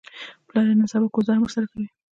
پلار یې نن سبا کوزده هم ورسره کوي.